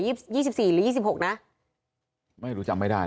ยี่สิบสี่หรือยี่สิบหกนะไม่รู้จำไม่ได้